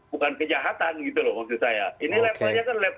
bukan kejahatan gitu loh maksud saya